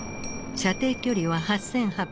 射程距離は８，８００ｋｍ。